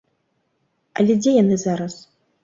Але дзе яны зараз?